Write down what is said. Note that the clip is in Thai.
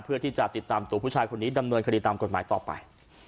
เพื่อที่จะติดตามตัวผู้ชายคนนี้ดำเนินคดีตามกฎหมายต่อไป